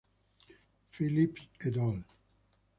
Phillips et al.